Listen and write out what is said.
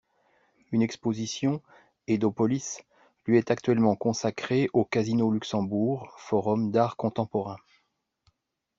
Une exposition, Edopolis, lui est actuellement consacrée au Casino Luxembourg – forum d’art contemporain.